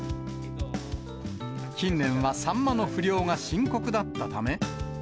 近年はサンマの不漁が深刻だったため。